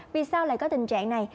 vì sao lại có tình trạng này